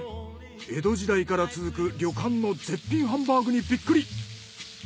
江戸時代から続く旅館の絶品ハンバーグにビックリ！